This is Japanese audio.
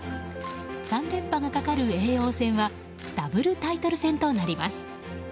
３連覇がかかる叡王戦はダブルタイトル戦となります。